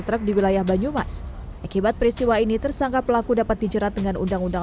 truk di wilayah banyumas akibat peristiwa ini tersangka pelaku dapat dijerat dengan undang undang